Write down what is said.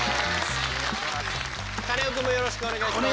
カネオくんもよろしくお願いします。